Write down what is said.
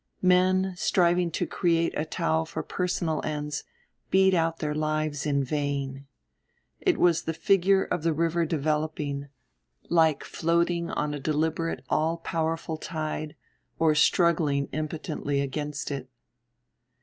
Men striving to create a Tao for personal ends beat out their lives in vain. It was the figure of the river developing, like floating on a deliberate all powerful tide or struggling impotently against it.